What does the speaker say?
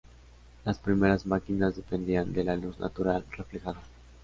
Las primeras máquinas dependían de la luz natural reflejada.